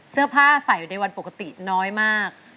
เสื้อผ้าใส่อยู่ในวันปกติน้อยมาก